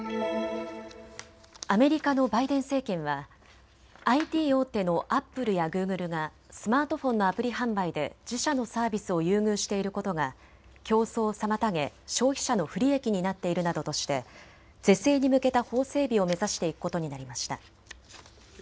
アメリカのバイデン政権はＩＴ大手のアップルやグーグルがスマートフォンのアプリ販売で自社のサービスを優遇していることが競争を妨げ、消費者の不利益になっているなどとして是正に向けた法整備を目指していくことになりました。